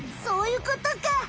そういうことか。